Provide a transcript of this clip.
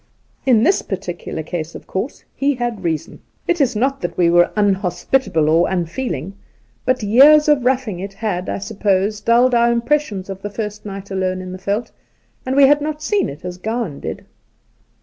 In this particular case, of course, he had reason. 40 Soltke It is not that we were inhospitable or unfeeling, but years of roughing it had, I suppose, dulled our impressions of the first night alone in the veld, and we had not seen it as Gowan did.